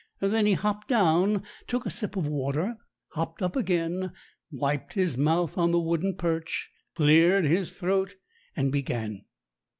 Then he hopped down, took a sip of water, hopped up again, wiped his mouth on the wooden perch, cleared his throat, and began.